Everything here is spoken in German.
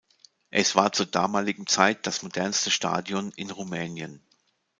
Es war zur damaligen Zeit das modernste Stadion in Rumänien.